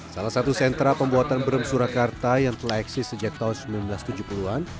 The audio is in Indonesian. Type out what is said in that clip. salah satu sentra pembuatan brem surakarta yang telah eksis sejak tahun seribu sembilan ratus tujuh puluh an